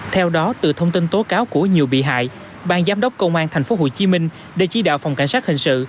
theo đó từ thông tin tố cáo của nhiều bị hại bang giám đốc công an thành phố hồ chí minh để chỉ đạo phòng cảnh sát hình sự